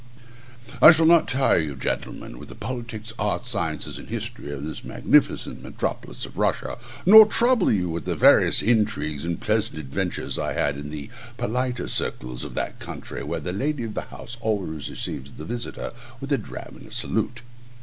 I shall not tire you, gentlemen, with the politics, arts, sciences, and history of this magnificent metropolis of Russia, nor trouble you with the various intrigues and pleasant adventures I had in the politer circles of that country, where the lady of the house always receives the visitor with a dram and a salute.